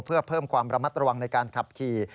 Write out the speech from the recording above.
เพื่อเพิ่มความระมัดระวังในการขับขี่